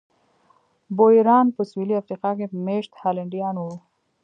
بویران په سوېلي افریقا کې مېشت هالنډیان وو.